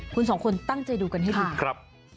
คุณสองคนตั้งใจดูกันให้ดีครับ